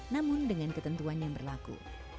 namun dengan ketentuan yang berlaku